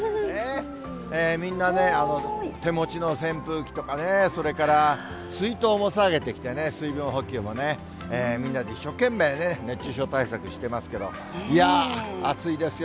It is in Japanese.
みんなね、手持ちの扇風機とかね、それから、水筒も提げてきて、水分補給もみんなで一生懸命ね、熱中症対策してますけども、いやあ、暑いですよ。